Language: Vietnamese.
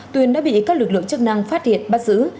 tuyền đã bị các lực lượng chức năng phát hiện bắt giữ